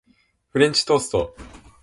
フレンチトースト